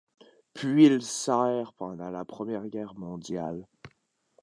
Puis il sert pendant la Première Guerre mondiale.